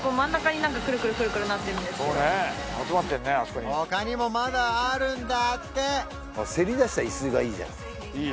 さらに他にもまだあるんだってせり出した椅子がいいじゃんいい